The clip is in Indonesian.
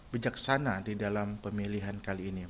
bijaksana di dalam pemilihan kali ini